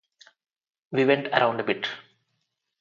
We went around a bit.